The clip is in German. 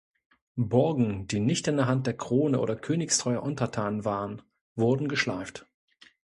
Burgen, die nicht in der Hand der Krone oder königstreuer Untertanen waren, wurden geschleift.